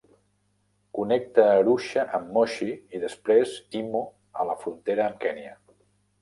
Connecta Arusha amb Moshi i després Himo a la frontera amb Kenya.